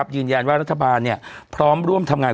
ยืนยันว่ารัฐบาลพร้อมร่วมทำงาน